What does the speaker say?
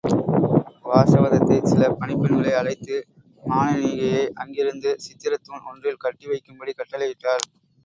வாசவதத்தை சில பணிப் பெண்களை அழைத்து, மானனீகையை அங்கிருந்து சித்திரத் தூண் ஒன்றில் கட்டி வைக்கும்படி கட்டளையிட்டாள்.